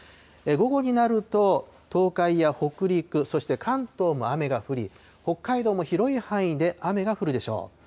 午後になると、東海や北陸、そして関東も雨が降り、北海道も広い範囲で雨が降るでしょう。